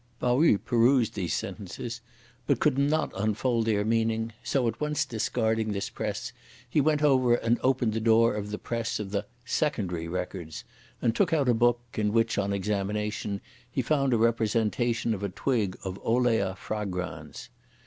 Pao yü perused these sentences, but could not unfold their meaning, so, at once discarding this press, he went over and opened the door of the press of the "Secondary Records" and took out a book, in which, on examination, he found a representation of a twig of Olea fragrans.